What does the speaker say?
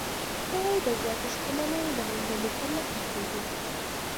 هغوی د زیاتو شتمنیو د موندلو په لټه کې وو.